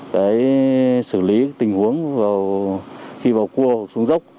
cái xử lý tình huống khi vào cua hoặc xuống dốc